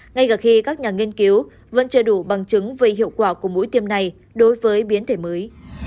ngay cả khi các nhà nghiên cứu vẫn chưa đủ bằng chứng về hiệu quả của mũi tiêm này đối với biến thể mới